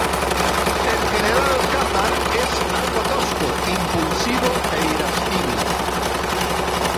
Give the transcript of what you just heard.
El general Alcázar es algo tosco, impulsivo e irascible.